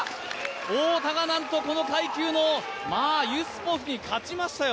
太田がなんと、この階級のユスポフに勝ちましたよ。